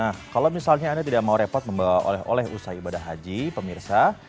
nah kalau misalnya anda tidak mau repot membawa oleh oleh usai ibadah haji pemirsa